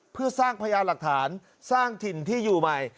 เพื่อสร้างพยานหลักฐานสร้างถิ่นที่อยู่ใหม่